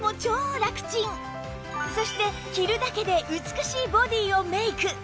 そして着るだけで美しいボディーをメイク！